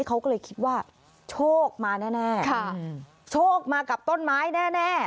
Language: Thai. เขาก็เลยคิดว่าโชคมาแน่โชคมากับต้นไม้แน่